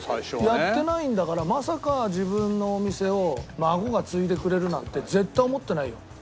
やってないんだからまさか自分のお店を孫が継いでくれるなんて絶対思ってないよ。